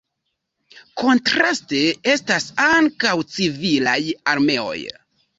Kontraste estas ankaŭ civilaj armeoj.